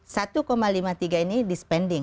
satu lima puluh tiga ini di spending